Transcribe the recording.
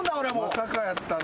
まさかやったな。